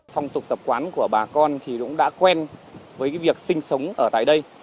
phong tục tập quán của bà con thì cũng đã quen với việc sinh sống ở tại đây